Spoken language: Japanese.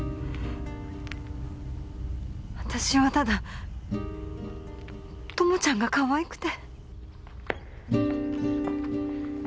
私はただ友ちゃんがかわいくて。